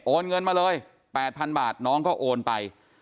เงินมาเลย๘๐๐๐บาทน้องก็โอนไป